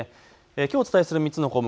きょうお伝えする３つの項目